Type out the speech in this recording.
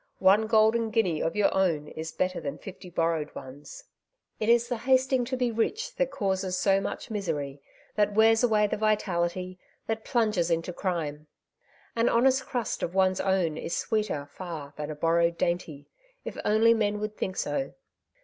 One golden guinea of your own is better than fifty borrowed ones. It is the ^^ hasting to be rich'' L 2 148 " Tivo Sides to every Question^ that causes so mucli misery — that wears away the vitality — that plunges into crime. An honest crust of one's own is sweeter far than a borrowed dainty^ if only men would think so.